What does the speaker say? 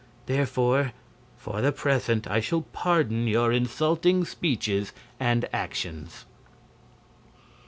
Therefore, for the present I shall pardon your insulting speeches and actions."